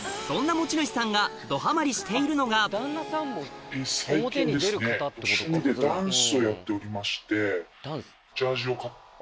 持ち主さんがドハマりしているのがをやっておりまして。